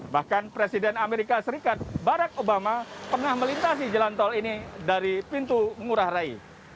bahkan presiden amerika serikat barack obama pernah melintasi jalan tol ini dari pintu ngurah rai